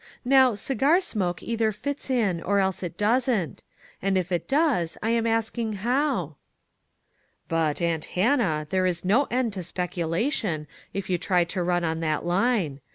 Now, cigar smoke either fits in, or else it doesn't; and if it does, I am asking how?" " But, aunt Hannah, there is no end to speculation, if you try to run on that line.